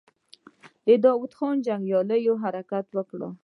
د داوود خان جنګياليو حرکت وکړ.